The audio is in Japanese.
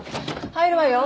入るわよ。